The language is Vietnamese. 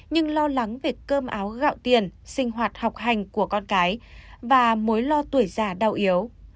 nhưng lo lắng về cơm áo gạo tiền sinh hoạt học hành của con cái và mối lo tuổi già đau yếu